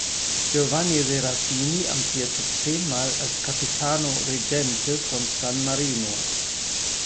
Giovanni Serafini amtierte zehnmal als Capitano Reggente von San Marino.